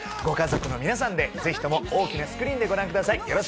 ご家族の皆さんでぜひとも大きなスクリーンでご覧ください。